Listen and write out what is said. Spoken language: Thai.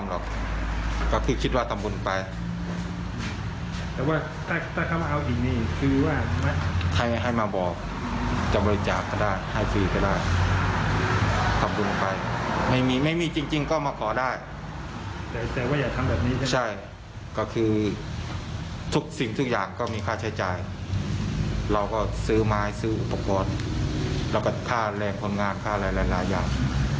แล้วก็ฆ่าแรงคนงานฆ่าหลายอย่าง